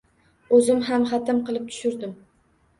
O’zim ham xatm qilib tushirdim